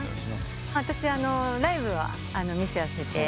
私ライブは見させて。